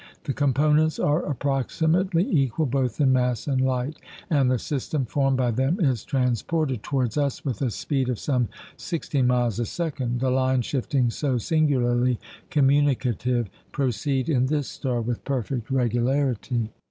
The components are approximately equal, both in mass and light, and the system formed by them is transported towards us with a speed of some sixteen miles a second. The line shiftings so singularly communicative proceed, in this star, with perfect regularity.